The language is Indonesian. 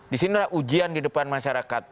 di sini adalah ujian di depan masyarakat